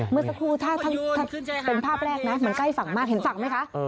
เมื่อสักครู่ถ้าเป็นภาพแรกนะมันใกล้ฝั่งมากเห็นฝั่งไหมคะ